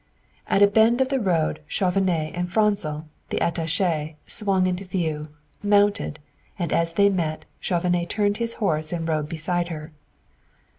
At a bend of the road Chauvenet and Franzel, the attaché, swung into view, mounted, and as they met, Chauvenet turned his horse and rode beside her.